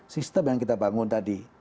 sistem yang kita bangun tadi